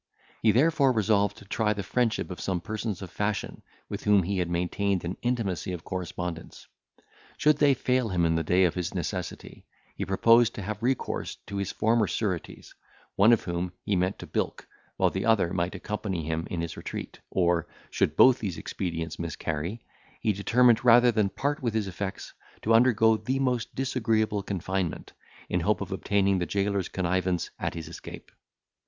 He therefore resolved to try the friendship of some persons of fashion, with whom he had maintained an intimacy of correspondence. Should they fail him in the day of his necessity, he proposed to have recourse to his former sureties, one of whom he meant to bilk, while the other might accompany him in his retreat; or, should both these expedients miscarry, he determined, rather than part with his effects, to undergo the most disagreeable confinement, in hope of obtaining the jailor's connivance at his escape.